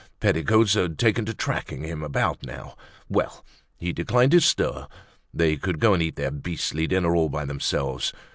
Petticoats had taken to tracking him about now! Well! He declined to stir, they could go and eat their beastly dinner all by themselves.